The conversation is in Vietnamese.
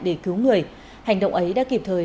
để cứu người hành động ấy đã kịp thời